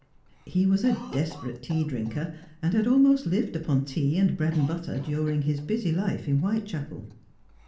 He was a desperate tea drinker, and had almost lived upon tea and bread and butter during his busy life in Whitechapel.